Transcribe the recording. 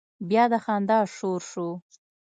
بيا د خندا شور شو.